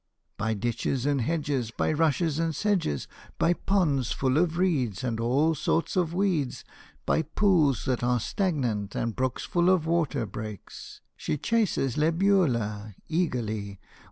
By ditches and hedges, by rushes and sedges, By ponds full of reeds and all sorts of weeds, By pools that are stagnant, and brooks full of waterbreaks, She chases Libellula Eagerly.